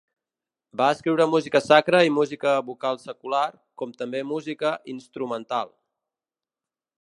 Va escriure música sacra i música vocal secular, com també música instrumental.